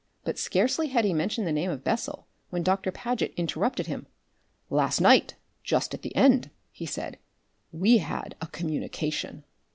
But scarcely had he mentioned the name of Bessel when Doctor Paget interrupted him. "Last night just at the end," he said, "we had a communication."